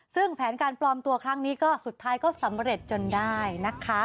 ซึ่งแผนการปลอมตัวครั้งนี้ก็สุดท้ายก็สำเร็จจนได้นะคะ